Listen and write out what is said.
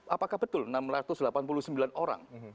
apakah betul enam ratus delapan puluh sembilan orang